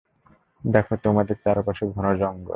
দেখো, তোমাদের চারপাশে ঘন জঙ্গল।